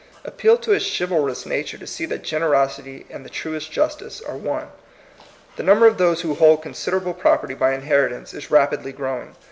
Appeal to his chivalrous nature to see that generosity and the truest justice are one. The number of those who hold consid erable property by inheritance is rapidly growing.